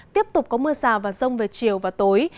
tiếp tục có mưa rào và rông về chiều và tối